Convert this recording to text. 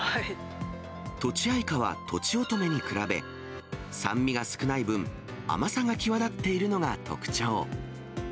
とちあいかはとちおとめに比べ、酸味が少ない分、甘さが際立っているのが特徴。